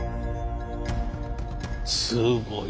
すごい。